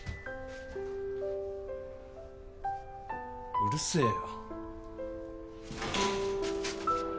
うるせえよ。